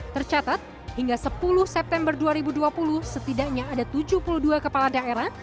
tercatat hingga sepuluh september dua ribu dua puluh setidaknya ada tujuh puluh dua kepala daerah